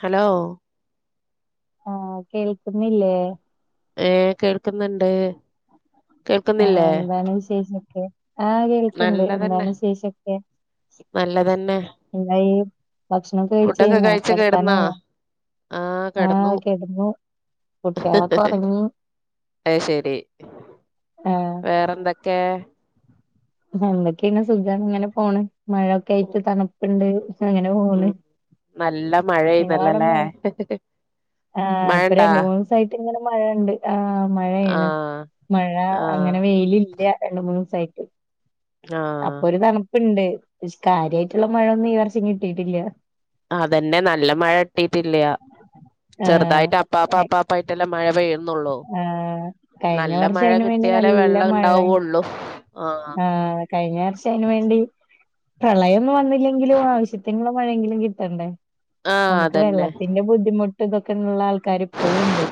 Hello ആഹ് കേൾക്കുന്നില്ലേ ഏ കേൾക്കുന്നുണ്ട് ആഹ് കേൾക്കുന്നില്ലേ എന്താണ് വിശേഷോക്കെ ആഹ് കേൾക്ക്ണ്ട് എന്താണ് നല്ലതന്നെ വിശേഷൊക്കെ നല്ലതന്നെ എന്തായി ഭക്ഷണം ഒക്കെ കഴിച്ച് ഫുഡൊക്കെ കഴിഞ്ഞോ കിടന്നാ കിടക്കാനായോ ആഹ് കെടന്നു കുട്ട്യേളൊക്കെ ഒറങ്ങി അയ്ശരി ആഹ് വേറെന്തൊക്കെ നന്തൊക്കെ ഇങ്ങനെ സുഖായി ഇങ്ങനെ പോണ് മഴൊക്കെ ആയിട്ട് തണുപ്പുണ്ട് അങ്ങനെ പോണ് ഉം നല്ല നിങ്ങള അവിടെ മഴെയ്യുന്നല്ലല്ലേ മഴ ആഹ് ഇപ്പൊ മഴണ്ടാ രണ്ട് മൂന്ന് സായിട്ട് ഇങ്ങനെ മഴണ്ട് ആ മഴയേണ് ആഹ് മഴ ആഹ് അങ്ങനെ വെയിലില്ല രണ്ട് മൂന്നുസായിട്ട് ആഹ് അപ്പൊ ഒരു തണുപ്പുണ്ട് കാര്യ ആയിട്ടുള്ള മഴൊന്നും ഈ വർഷം കിട്ടിട്ടില്ല അതന്നെ നല്ല മഴ കിട്ടിട്ടില്ല ചെറുതായിട്ട് അപ്പാപ്പം ആഹ് അപ്പാപ്പായിട്ടല്ലേ മഴ പെയ് ന്നൊള്ളു ആഹ് കഴിഞ്ഞ നല്ല വർഷം മഴ അയിന് വേണ്ടി കിട്ടിയാലേ നല്ല വെള്ളം ഇണ്ടാവുള്ളൂ ആഹ് ആ കഴിഞ്ഞർഷം അയിന് വേണ്ടി പ്രളയൊന്നും വന്നില്ലെങ്കിലും ആവശ്യത്തിനും മഴങ്കിലും കിട്ടണ്ടേ ആഹ് നമുക്ക് അതന്നെ വെള്ളത്തിന്റെ ബുദ്ധിമു ട്ട് തൊക്കെള്ള ആൾക്കാർ പ്പഴുംണ്ട്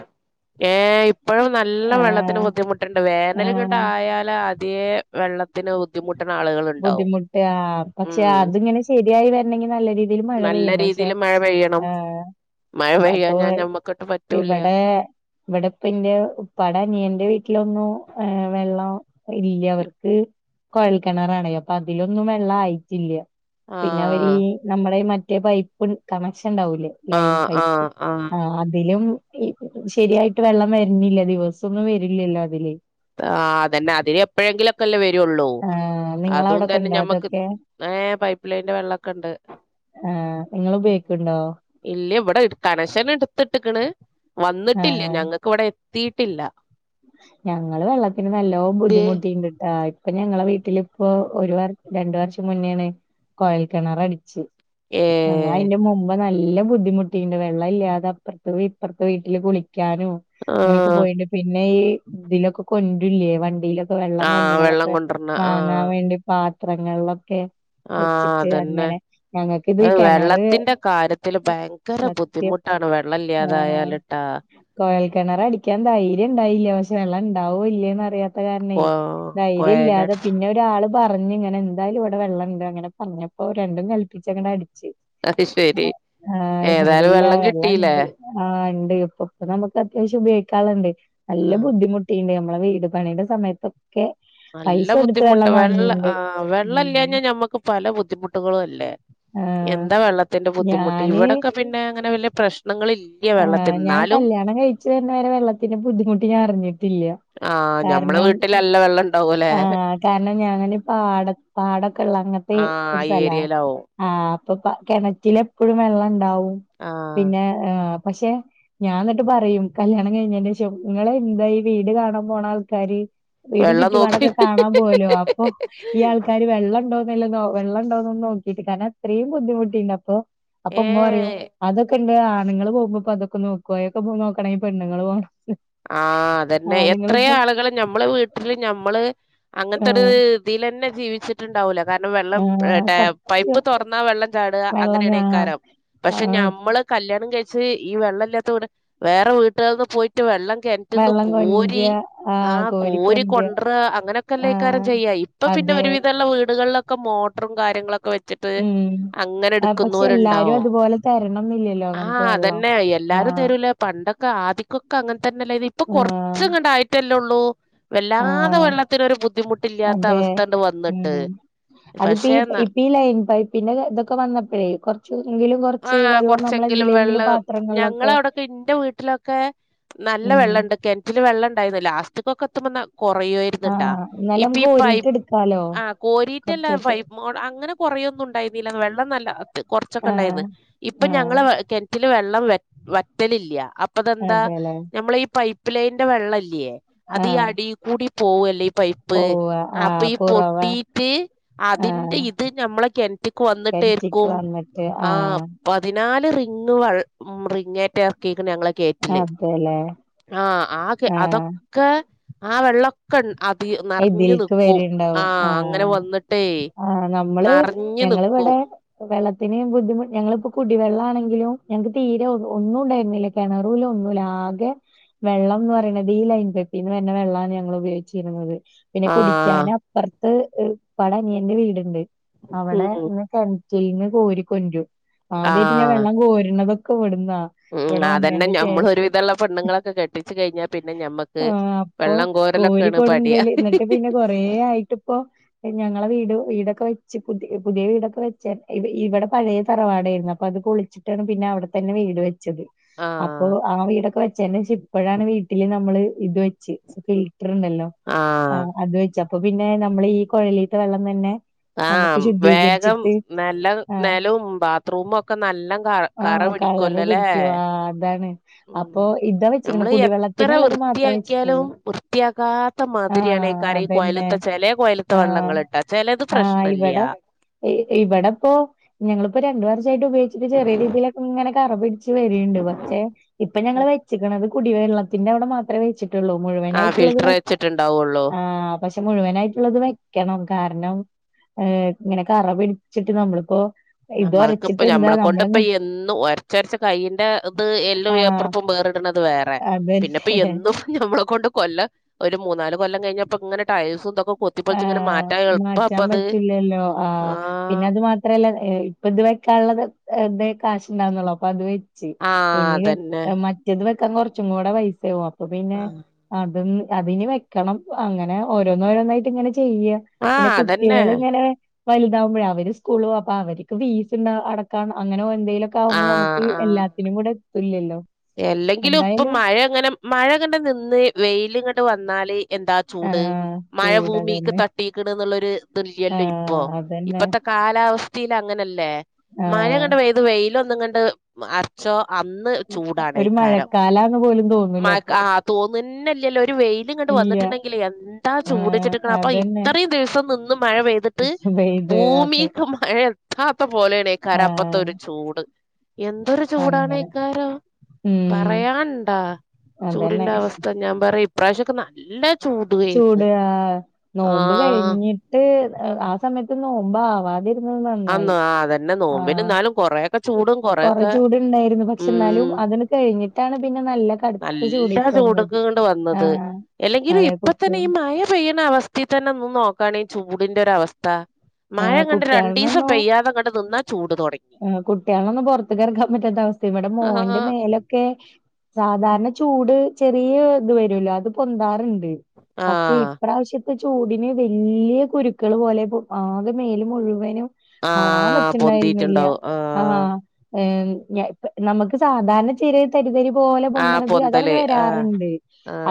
ഏ ഇപ്പഴും നല്ല ആഹ് വെള്ളത്തിന് ബുദ്ധിമുട്ട്ണ്ട് വേനല്ങ്ങട്ട് ആഹ് ആയാലാ പുതിയേ വെള്ളത്തിന് ബുദ്ധിമു [unintelligible] ളുകള് ബുദ്ധിമുട്ട് ആ പക്ഷെ അതിങ്ങനെ ശരിയായി വരണങ്കി നല്ല രീതിയിൽ മഴ പെയ്യണ്ടെ? ഇതില് മഴ പെയ്യണം മഴ പെയ്യാൻ ഞാൻ നമ്മക്കട്ട് പറ്റൂല്ല്യ. ഇവിടെപ്പ ന്റെ ഉപ്പാടയനിയന്റെ വീട്ടിലൊന്നും ഏ വെള്ളം ഇല്ല ഇപ്- അവർക്ക് കൊഴൽക്കിണറാണയ് അപ്പൊ അതിലൊന്നും വെള്ളായിട്ടില്ല. ആ പിന്നെ അവര് നമ്മടെ മറ്റേ പൈപ്പ് കണക്ഷൻ ണ്ടാവുലേ? ലൈൻ പൈപ്പ് ആ അതിലും ശരിയായിട്ട് വെള്ളം വര്ന്നില്ല ദിവസൊന്നും വരില്ലല്ലോ അതില് ആ അതന്നെ അതിലെപ്പൊഴെങ്കിലക്കൊല്ലെ വരൊള്ളൂ ആ അതും നിങ്ങളവിടൊക്കെ തന്നെ ഉണ്ടോ ഞമ്മക്ക് അതൊക്കെ ഏ പൈപ്പ് ലൈൻന്റെ വെള്ളക്കണ്ട് ആ നിങ്ങള് ഉപോയികിക്ക്ണ്ടോ ഇല്ല വ്ടെ ട് കണശന് ട്ത്തിട്ട് ക്ണ് ആ വന്നിട്ടില്ല ഞങ്ങക്ക് വ്ടെ തീട്ടില്ല. ഞങ്ങള് വെള്ളത്തിന് നല്ലോ ദേ, ബുദ്ധിമുട്ടിണ്ട്ട്ടാ ഇപ്പൊ ഞങ്ങളെ വീട്ടിലിപ്പോ ഒരു വർ രണ്ടു വർഷം മുന്നേണ് കൊഴൽ കിണറ് അടിച്ച് ഏ ഞങ്ങളയിന്റെ മുമ്പ നല്ല ബുദ്ധിമുട്ടിണ്ട് വെള്ളം ഇല്ലാതെ അപ്പർത്ത് വീ ഇപ്പർത്ത് വീട്ടില് കുളി വക്കാനും ങ്ങനൊക്കെ ആ പോയിണ്ട് പിന്നെ ഈ ഇതിലൊക്കെ കൊൻ്റുല്ല്യേ വണ്ടിയിലൊ വെള്ളം ആഹ് വെള്ളം കൊൻ്റ്ണതൊക്കെ കൊണ്ടരണ വാങ്ങാൻ ആഹ് വേണ്ടി പാത്രങ്ങൾലൊക്കെ ആഹ് അതന്നെ അഹ് കെണറ് വെള്ളത്തിന്റെ കാര്യത്തില് ഭയ് ങ്കര സത്യം ബുദ്ധിമുട്ടാണ് വെള്ളം ഇല്ലാതായാല്ട്ടാ കൊയൽകെണർ അടിക്കാൻ ധൈര്യംണ്ടായില്ല പക്ഷെ വെള്ളം ണ്ടാവോ ഇല്ലേന്ന്റിയാ കൊ തകാരണയ് കൊയല ധൈര്യല്ലാതെ പിന്നെ ഒരാള് പറഞ്ഞ് ങ്ങനെ എന്തായാലും വ്ടെ വെള്ളം ഇണ്ട് അങ്ങനെ പറഞ്ഞപ്പോ രണ്ടും കൽപ്പിച്ചങ്ങടിച്ച് അത് ശരി ആഹ് ഏതായാലും അൽഹംദുലില്ല വെള്ളം കിട്ടിയില്ലേ വെള്ളണ്ട് ആ ണ്ട് ഇപ്പൊപ്പ നമ്മക്ക് അത്യാവശ്യം ഉപയോഗിക്കാള്ളണ്ട് നല്ല ആഹ് ബുദ്ധിമു കിട്ടീണ്ട് നമ്മളെ വീട് പണിയ്ടെ സമയത്തൊക്കെ പൈസ നല്ല കൊടുത്ത് ബുദ്ധിമുട്ട് വെള്ളം വെള്ള വാങ്ങിയിണ്ട്. ആ ഉം വെള്ളംല്ലാഞ്ഞാ ഞമ്മക്ക് പല ബുദ്ധിമുട്ടുകളും അല്ലേ ആഹ് എന്താ വെള്ളത്തിന്റെ ബുദ്ധിമുട്ട് ഞാന് ഇവിടൊക്കെ പിന്നെ അങ്ങനെ വല്യാ പ്രശ് നങ്ങളില്ല ആഹ് ഞാൻ വെള്ളതിന്നാലും [unintelligible] വരെ വെള്ളത്തിന്റെ ബുദ്ധിമുട്ട് ഞാൻ അറിഞ്ഞിട്ടില്ല ആ ഞമ്മളെ കാരണം വീട്ടിലല്ല വെള്ളം ണ്ടാവൊലെ ആഹ് കാരണം, ഞാന് പാട പാടൊക്കള്ളങ്ങത്തേ ആഹ് ഒരു ആ സലാ. ഏരിയയിലാവും ആ അപ്പൊ പ കെണറ്റില് എപ്പൊഴും വെള്ളം ണ്ടാവും ആഹ് പിന്നേ പക്ഷെ ഞാൻ ന്നിട്ട് പറയും കല്യാണം കഴിഞ്ഞൻ്റെ [unintelligible] ങ്ങള് എന്താ ഈ വീട് കാണാൻ പോണ ആൾക്കാര് വീടും വെള്ളം നോക്കി ചുറ്റുപാടൊക്കെ കാണാം പോവല്ലോ അപ്പൊ ഈയാൾക്കാര് വെള്ളണ്ടോന്നല്ല നോ വെള്ള ഇണ്ടോന്നൊന്ന് നോക്കീട്ട് കാര്ണം അത്രീം ബുദ്ധിമുട്ടീണ്ട് അപ്പോ അപ്പൊ ഏ ഇമ്മ പറയും അതൊക്കെ ഇണ്ട് ആണിങ്ങള് പോമ്പോ ഇപ്പൊ അതൊക്കെ നോക്കോ അയക്കെപ്പൊ നോക്കണെങ്ങി പെണ്ണിങ്ങള് വാണം ആ അതന്നെ എത്രേയാളുകള് ഞമ്മളെ വീട്ടില് ഞമ്മള് അങ്ങന് ത്തട് ആഹ് തിലന്നെ ജീവിച്ച് ട്ട്ണ്ടാവുല്ല കാരണം വെള്ളം ആഹ് ടേ പൈപ്പ് സത്യം തുറന്നാ വെള്ളം ചാട വെള്ളം ആഹ് അങ്ങനേണേയ്ക്കാരം പക്ഷെ ആഹ് ഞമ്മൾ കല്യാണം കഴിച്ച് ഈ വെള്ളല്ലാത്ത വിട് വേറെ വീട്ടൾന്ന് പോയിട്ട് വെള്ളം കെൻ്റിന്ന് വെള്ളം കൊണ്ട്ര കോരി ആ ആഹ് കോരി കൊണ്ട്ര കൊണ്ട്റ അങ്ങനെയൊക്കെല്ല ഇക്കാരം ആഹ് ചെയ്യാ പ്പൊ പിന്നെ അതെ. ഒരു വിധം ഉള്ള വീടുകളിൽ ഓക്കെ മോട്ട്റും കാര്യങ്ങളൊക്കെ വെച് ട്ട് ഉം. അങ്ങനെ ആഹ് പക്ഷെ എല്ലാരും എടുക്ക്ന്നോരുണ്ടാവും. അതുപോലെ തരണംന്നില്ലല്ലോ നമുക്ക് ആഹ് വെള്ളം. അതന്നെ, എല്ലാരും ആഹ് തരൂല പണ്ടൊക്കെ ആദിക്കൊക്കെ അങ്ങനെ തന്നെല്ല ഇത്. ഇപ്പൊ ആഹ് കൊറച്ച് ഇങ്ങണ്ടായിട്ടല്ലേള്ളൂ. വല്ലാതെ ആഹ് വെള്ളത്തിനൊരു ബുദ്ധിമുട്ടില്ലാത്ത അവസ്ഥണ്ട് വന്നിട്ട് അതിപ്പ ഈ പക്ഷെ ന- ഇപ്പ ഈ ലൈൻ പൈപ്പിന്റെ ഇതൊക്കെ വന്നപ്പഴേ കൊറച്ച് എങ്കിലും കൊറ ആ കൊറച്ചെങ്കിലും വെള്ളം ഞങ്ങള അവിടെക്കെ എന്റെ വീട്ടിലൊക്കെ നല്ല ഉം വെള്ളം ഉണ്ട് കിണറ്റില് വെള്ളംണ്ടായിരുന്നു ലാസ്റ്റി ഒക്കെ എത്തുമ്പ കൊറയായി പ്പത്ട്ടാ. ആഹ് എന്നാലും ഇപ്പോ നമുക്ക് ഈ പൈ കോരിട്ട് എടുക്കാലോ ആഹ് കോരീറ്റല്ല കൊറച്ചേച്ചെ ഫൈപ് മോഡ് അങ്ങനെ കൊറേയൊന്നും ഉണ്ടായിരുന്നീല്ലന്ന്. വെള്ളം നല്ല കൊറച്ചൊക്കെ ഇണ്ടായിര്ന്ന്. ആഹ് ഇപ്പ ആഹ് ഞങ്ങളെ വ കെൻ റ്റിൽ വെള്ളം വെ വറ്റലില്ല അപ്പ തെന്താ അതെല്ലേ നമ്മള ഈ പൈപ്പ് ലൈന്റെ വെള്ളം ഇല്ലേ അതി ആഹ് അടി കൂടി പോവല്ലേ പൈപ്പ് ഉവ്വ അപ്പൊ ആഹ് ഈ കുറവാ പൊട്ടീട്ട് അതിന്റെ ആഹ് ഇത് നമ്മളെ കെണറ്റ് കെൻറ്റിക്ക് വന്നിട്ടേയിറിക്കും വന്നിട്ട് ആഹ് പതിനാല് റിങ്ങ് വ റിങ്ങേറ്റേ എറക്കിക്ക്ണ് ഞങ്ങളെ കേ അതെല്ലേ. ആഹ് ആ ആഹ് അതൊക്കെ ആ വെള്ള അതി ഇതിൽക്ക് നിറഞ്ഞുനിക്കും വര്ണ്ടാവും ആഹ് അങ്ങനെ വന്നിട്ടേ ആഹ് നമ്മള് നെറഞ്ഞു ഞ്ഞ് നിക്കും ഞങ്ങളിവിടെ വെള്ളത്തിന് ബുദ്ധിമുട്ട് ഞങ്ങളിപ്പോ കുടിവെള്ളാണെങ്കിലും ഞങ്ങക്ക് തീരെ ഒന്നും ഉണ്ടായിരുന്നില്ലേയ്. കിണറൂല ഒന്നൂല ആകെ. വെള്ളം ന്ന് പറിണത് ഈ ലൈൻ പൈപ്പിന്ന് വര്ന്ന വെള്ളാൺ ഞങ്ങൾ ഉപയോഗിച്ചിര്ന്നത് പിന്നെ ആഹ് കുടിക്യൻ അപ്പറത്ത് ഇപ്പാടെ അനിയന്റെ വീട്‌ണ്ട് ഉം അവടെന്ന് കെൺ ചെഞ്ഞു കോരികൊണ്ടരും ആദ്യമായിട്ട് ഞാൻ ആഹ് വെള്ളം കോരുണതൊക്കെ ഇവട്ന്നാ. ഉം അതന്നെ നഞമ്മൾ ഒരു വിധള്ള പെണ്ണുങ്ങളൊക്കെ കെട്ടിച്ചു കഴിഞ്ഞാ പിന്നെ ഞമ്മക്ക്. ഇപ്പൊ വെള്ളം കോരലൊക്കെയാണ് പടിയ കോഴിക്കോട്ന്തൽ എന്നിട്ട് പിന്നെ കൊറ ആയിട്ട് ഇപ്പൊ ഞങ്ങളെ വീട് വീടൊക്കെ വെച്ച് പുതിയ പുതിയ വീടൊക്കെ വെച്ചാ ഇ ഇവിടെ പഴയ തറവാടായിയിരുന്നു അപ്പൊ അത് പൊളിച്ച ട്ടണ് പിന്നെ അവിടെ തന്നെ വീട് വെച്ചത് അ പ്പൊ ആഹ് ആ വീടൊക്കെ വെച്ചേനേഷാ ഇപ്പഴാണ് വീട്ട്ല് നമ്മള് ഇത് വെച്ച് ഫിൽറ്റർ ഇണ്ടല്ലോ ആഹ് അത് വെച്ച അപ്പൊ പിന്നെ നമ്മള് ഈ കൊഴലീത്ത വെള്ളം തന്നെ നമുക്ക് ആഹ് വേഗം ശുദ്ധീകരിച്ചിട്ട് നല്ല ആഹ് നെലും ബാത്റൂമും ഒക്കെ നല്ല ക കറ ആഹ കളറ് പിടിക്കുവല്ലോല്ലേ പിടിക്കു ആ അതാണ് ഉം അപ്പൊ ഇതാ വെച്ചിക്ണ് നമ്മള് കുടിവെള്ള എത്ര വൃത്തിയാക്കിയാലുംവൃ വൃത്തിയാക്കാത്ത മാതിരിയാണ് ഈ ആഹ് കര അതന്നെ കോയലിത്ത വെള്ളങ്ങൾ ചെല കൊയലിത്തെ വെള്ളങ്ങൾ ചിലത് ആ ഇവിടെ. ഇ ഇവിടെപ്പോ ഞങ്ങളിപ്പോ രണ്ട് വർഷമായിട്ട് ഉപയോഗിച്ചിട്ട് ചെറിയ രീതിയിലൊക്കെ ഇങ്ങനെ കറ വെര്ണ്ട് പക്ഷെ ഇപ്പൊ ഞങ്ങൾ വെച്ക്ണത് കുടിവെള്ളത്തിന്റെ അവിടെ മാത്രമേ വെച്ചിട്ടുള്ളൂ മുഴുവൻ ആഹ് ഫിൽട്ട്ർ വെച്ചിട്ട്ണ്ടാവൊള്ളു ആഹ് പക്ഷെ മുഴുവനായിട്ട്ള്ളത് വെക്കണം കാരണം ഏ് ഇങ്ങനെ കറ പിടിച്ചിട്ട് നമ്മളിപ്പോ നമ്മൾക്ക ഇപ്പ ഇതൊരച്ചിട്ട് എന്താ ഞമ്മളെ കൊണ്ട് ഇപ്പ നമ്മളിങ്ങനെ എന്നും ഒരച്ചരച്ച കൈയിന്റെ ഇത് എല്ലു [unintelligible] വേറിട്ണത് വേറേ അതെ [unintelligible] എന്നും നമ്മളെ കൊണ്ട് കൊല്ലം ഒരു മൂന്നാല് കൊല്ലം കഴിഞ്ഞപ്പോ ഇങ്ങനെ ടയേസുംതൊക്കെ. ആഹ് മാറ്റാൻ പറ്റില്ലല്ലോ ആഹ് പിന്നെ അത് മാത്ര അത്രല്ല ഇപ്പ ഇത് വെക്കാനുള്ളത് കാശ്ണങ്ങള്ളോ അപ്പൊ അത്. ച്ച് ആഹ് ഇനി അതന്നെ മറ്റേത് വെക്കാ കൊറച്ചും കൂടെ പൈസയാവും അപ്പൊ പിന്നെ അതും അതിന് വെക്കണം അങ്ങനെ ഓരോന്ന് ഓരോന്നായിട്ട് ഇങ്ങനെ ചെയ്യ. പിന്നെ ആഹ് അതന്നെ കുട്ടികൾ ഇങ്ങനേ വലുതാവു ബഴേ അവര് സ്കൂൾപോ അപ്പ അവര്ക്ക് ഫീസ് ഇണ്ട് അട കണം അങ്ങനെ എന്തേലുക്കെ ആകുമ്പോ ആഹ് നമുക്ക് ആഹ് എല്ലാത്തിനും കൂടെ എത്തല്ലല്ലോ. എല്ലെങ്കിലും ഇപ്പൊ മഴ അങ്ങനെ മഴ അങ്ങെ നിന്ന് വെൽ ഇങ്ങനെ വന്നാല് എന്താ. ചൂട് ആഹ് മഴഭൂമിക്ക് ചൂടതന്നെ തട്ടിക്കണ എന്നുള്ളൊരു ഇതില്യല്ലോ ഇപ്പോ ആഹ് അതന്നെ ഇപ്പത്തെ കാലാവസ്ഥീല്‌ അങ്ങനല്ലേ മഴ ആഹ് ഇങ്ങട്ട് പെയ് അത് വെയില ഒന്നും കണ്ട് അച്ചോ അന്ന് ഒരു ചൂടാണ്ക്കാരം മഴക്കാലാന്ന് പോലും തോന്നൂല മയ അപ്പൊ ആഹ് തോന്നുന്നല്ലല്ലോ ഒരു വെയിലും കണ്ട് ഇല്ല വന്നിട്ടുണ്ടെങ്കിൽ എന്താ ആഹ് ചൂടിച്ചിട്ട്ക്ക്‌ണ് അപ്പൊ അതന്നെ ഇത്ര ദിവസം നിന്ന് മഴ പെയ്തിട്ട് പെയ്ത് ഭൂമി അതെ മഴ എത്താത്ത പോലെയാണ് [unintelligible] അപ്പത്തെ ആഹ് ഒരു ചൂട് എന്തൊരു അങ്ങനെ ചൂടാനെയേക്കാരം. ഉം പറയാനണ്ടാ അതന്നെ ചൂടിന്റെ അവസ്ഥ ഞാൻ പറ ഇപ്രാവശ്യക്കെ നല്ല ചൂടുവായിരുന്നു ചൂട് ആ നോമ്പ് ആഹ് കഴിഞ്ഞിട്ട് ആ സമയത്ത് നോമ്പ് ആവാതിെ അന്നോ ആ അതന്നെ നോമ്പിൻ ന്നാലും കൊറേഒക്കേ ചൂടും കൊറേ കൊറേഒക്കെ ചൂടുണ്ടായിരുന്നു പക്ഷെ മ് എന്നാലും - - അതിന് കഴിഞ്ഞിട്ടാണ് പിന്നെ നല്ല കടുത്ത നല്ല ചൂടേക്ക് വന്നത് ചൂട്ക്ക്‌ണ്ട് വന്നത് ആഹ് അല്ലെങ്കിലും അതെ ഇപ്പ കുട്ടിക തന്നെ ഈ മഴ പെയ്യണ അവസ്ഥ റ്റത്തി തന്നെ ഒന്നു നോക്കാണെ ഈ ചൂടിന്റെ ഒരവസ്ഥ. മഴ ആഹ് അങ്ങട്ട് രണ്ടീസം പെയ്യാതെ അങ്ങ് നിന്നാ ചൂട് തൊടങ്ങി. ആഹ് കുട്ടികളൊന്നും പുറത്ത്കറക്കാൻ പറ്റാത്ത അവസ്ഥ ഇവിടെ മോന്റെ ആഹ് മേലൊക്കെ സാധാരണ ചൂട് ചെറിയ ഇത് വരുല്ലോ അത് പൊന്താറുണ്ട് പക്ഷെ ആഹ് ഇപ്രാവശ്യത്തി ചൂടിന് വല്യയ കുരുക്കൾ പോലെ ആകെ മേല് മുഴുവനും. കാണാൻ ആഹ് പറ്റിണ്ടായിരുന്നില്ല. പൊന്തീട്ടുണ്ടാവും ആഹ് ഏ നമുക്ക് സാധാരണചൊ തരിതരി പോലെ ആഹ് പൊദ്ണത് അത് അവന പൊന്തല് ആഹ് വരാറുണ്ട്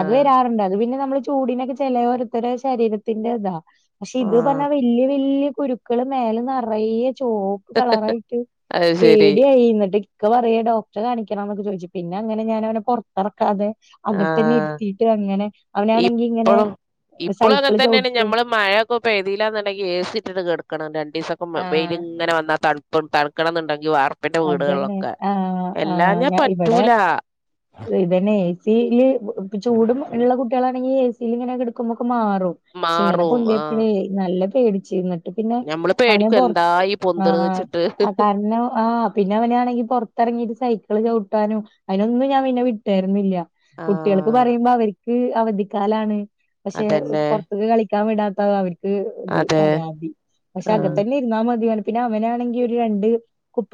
അത് വരാറുണ്ട് അത് പിന്നെ നമ്മള് ചൂടിനൊക്കെ ചെലേരുത്തരെ ശരീരത്തിന്റെ ഇതാ പക്ഷെ ഇത് പ നെ ആഹ് വല്യേ വല്ല്യേ കുരുക്കൾ മേൽ നറയെ ചോപ്പ് കളറായിറ്റ് അത് ശരി പേടി ചെയ്യന്നട്ട് ഇക്ക പറയ ഡോക്ടർ കാണിക്കണംന്നൊക്കെ ചോദിച്ചു പിന്നെ അങ്ങനെ ഞാൻ അവനെ പുറത്തിറക്കാതെ അത്പന്നെ ആഹ് ഇര്ത്തിട്ട് അങ്ങനെ അവനാണെങ്കി ഇങ്ങനെ ഇപ്പളും സൈക്കിള് ചൗട്ടും ഇപ്പൊ പെയ്തീലാന്ന്ണ്ടങ്കി എ സി ഇട്ടിട്ട് കെട്ക്കണം രണ്ട് സൊക്കെ മ വെയിൽ ആഹ് ഇങ്ങനെ വന്നാ തണു പ്പ തൺക്കണന്ന്ണ്ടെങ്കി വാർപ്പിന്റെ അതന്നെ വീടേൾഒക്കെ ആഹ് അല്ലാഞ്ഞാ പറ്റൂല ഇന്തന്നെ എ സി ല് ചൂടും ഇള്ള കുട്ട്യളാണെങ്കി എ സിൽ ഇങ്ങനെ കെടക്കുമ്പോക്കെ മാറും പക്ഷെ ഇങ്ങനെ മാറും ആഹ് പൊന്തിയപ്പഴേ നല്ല പേടിച്ചരുന്നി ഇപ്പിന്നെ ഞമ്മള് അവനെ പേടിക്കും എന്താ പൊറത്ത് ഈ പൊന്ത്ണ്ച്ചിട്ട് ആഹ് കാരണം ആ പിന്നെ അവനാണെങ്കി പൊറത്തറങ്ങീട്ട് സൈക്കൾ ചൗട്ടാനും അയ്നൊന്നും ഞാൻ പിന്നെ വിട്ടേർന്നില്ല്യ കുട്ട്യാൾക്ക് ആഹ് പറയുമ്പോ അവർക്ക് അവധിക്കാലാണ് പക്ഷെ അതന്നെ പുറത്ക് കളി ൻ വിടാത്ത അവർക്ക് ഇത് അതെ പരാതി പക്ഷെ ആഹ് അകെത്തന്നെ. തിന്നാ മതി പിന്നെ അവനാണെങ്കി ഒരു രണ്ട്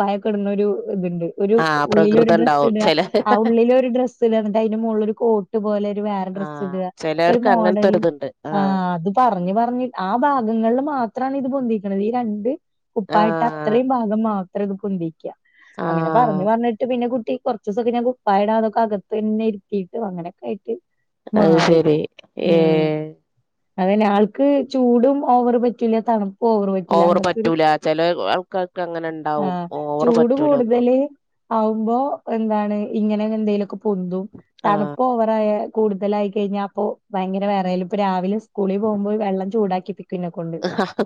പായക്കെട്ന്നൊരു ഇതുണ്ട്. ഒരു ആഹ് ഉള്ളിലൊരു ഡ്രസ്സ് പ്രകൃതണ്ടാവും ഇട ചെല ആ ഉള്ളിലൊ രു ഡ്രസ്സ് ഇട ന്ന്ട്ട് അയ്ന്റെ മോള്ള് ഒരു കോ പോലെ ഒരു വേറെ ഡ്രസ്സ് ആഹ് ഇട ക്കഒരു ചെലർക്ക് മോഡലും അങ്ങനത്തൊരിതുണ്ട് ആ ആഹ് അത് പറഞ്ഞ് പറഞ്ഞ് ആ ഭാഗങ്ങള് മാത്രണ് ഇത് പൊന്തിക്ക്ണ് ഈ രണ്ട് കുപ്പായിടട്ടാ ആഹ് അത്രയും ഭാഗം മാത്രഇത് പൊന്തിക. അങ്ങനെ ആഹ് പറഞ് പറഞ്ഞിട്ട് പിന്നെ കുട്ടി കൊറച്ച് ദീസൊക്കേ പ്പായിടാതെ അകത്തന്നെ ഇരുത്തിയിട്ട് അങ്ങനൊക്കെ ആയിട്ട്. അത് മാറി ശരി ഉം. ഏഹ് അതന്നെ ആൾക്ക് ചൂടും ഓവറ് പറ്റൂല തണു ഓവർ പറ്റൂല ചല ആൾക്കാർക്ക് അങ്ങനെ ഇണ്ടാവും ആഹ് ഓവർ ചൂട് പറ്റൂല ഒന്നും കൂടുതല് ആവുമ്പോ എന്താണ് ഇങ്ങനെ എന്തെലൊക്കെ പൊന്തും ആഹ് തണുപ്പോ വറായ കൂടുതലായി കഴിഞ്ഞാ അപ്പോ ഭയങ്കര വെറയല് ഇപ്പ രാവിലേ സ്കൂളി പോ ബോ വെള്ളം ചൂടാക്കിപ്പി പിന്ന കൊണ്ട്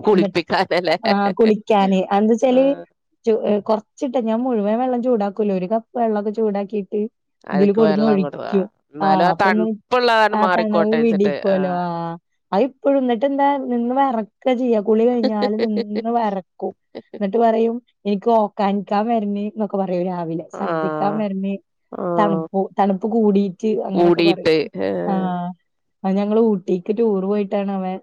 കുളിപ്പിക്കാനല്ലേ ആഹ് കുളിക്കാന് എന്ത വച്ചാല് ആഹ് ച കുറച്ചിട്ട ഞാൻ മുഴുവൻ വെള്ളം ചൂടാക്കൂല്ല ഒരു കപ്പ് വെള്ളക്കെ ചൂടാക്കിയിട്ട്. ഇതില് അതൊക്കെ കൊടുന്ന് വെള്ളം കൊടു ഒഴിക്കും എന്നാലും ആഹ് ആ അപ്പൊ ഒന്ന് തണുപ്പുള്ളതാണ് ആ തണവ് മാറിക്കോട്ടെ വെച്ചിട്ട് വിടീകെല്ലോ ആഹ് ആഹ് ഇപ്പോഴന്നിട്ട് എന്താ നിന്ന് വിറകുക ചെയ്യാ കുളി കഴിഞ്ഞാല് നിന്ന് വിറ എന്നിട്ട് പറയും എനിക്ക് ഓക്കാനിക്കാൻ വര്ന് എന്നൊക്കെ പറയും രാവിലെ സർദി. ക്കാ ആഹ് മരന്ന് ആഹ് തണുപ്പു തണുപ്പ് കൂടി [unintelligible] അങ്ങനെഒക്കെ പറയും കൂടിയിട്ട് ആഹ് അ ഞങ്ങള്ൾ ഊട്ടിക്ക് ടൂർ പോയിട്ടാണ് അവൻ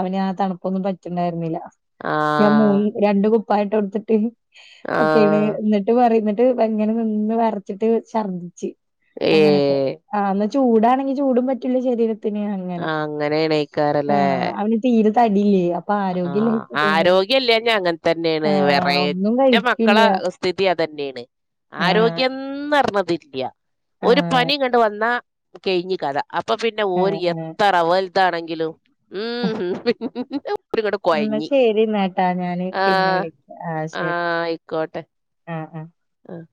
അവന് ആ തണുപ്പൊന്നും പറ്റിണ്ടായിരുന്നില്ല. ആ. മൂ രണ്ട് കുപ്പായട്ടോട്ത്ട്ട് ഒക്കെണ് ആഹ് ന് ് പറയുന്നിട്ട് ങ്ങനെ നിന്ന് വറച്ചിട്ട് ഷർദിച്ച് അങ്ങനെക്കെ. ഏഹ് ആഹ് ന്നാ ചൂടാണെങ്കി ചൂടും പറ്റില്ല ശരീരത്തിന് അങ്ങനെ അങ്ങനെയാണേക്കാരല്ലേ ആഹ് അവന് തീര തടില്യേ ആ.. ആരോഗ്യല്ല ഞഅങ്ങനെ തന്നെയാണ് ആ വേറെ- ഒന്നും എന്റെ മക്കള കഴിക്കില്ല സ്ഥിതി അതന്നേണ് ആ ആരോഗ്യം റിഞ്ഞതില്ല ആ ഒരു പനിങ്ങണ്ട് വന്ന കയ്ഞ് കഥ. അപ്പൊ പിന്നെ ആ ഓര് ആ എത്ര വൽതാണെങ്കിലു ഉം.... ഹി.... ഉ.. ശരി ന്നാ ട്ടാ ഞാന് ആ പിന്നെ വിളിക്ക ആഹ! ആ ശരി ആഹ് ആഹ് ആഹ്